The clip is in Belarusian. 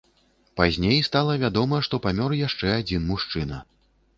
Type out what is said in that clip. Пазней стала вядома, што памёр яшчэ адзін мужчына.